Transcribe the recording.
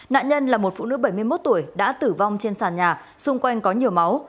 nạn nhân là một phụ nữ bảy mươi một tuổi đã tử vong trên sàn nhà xung quanh có nhiều máu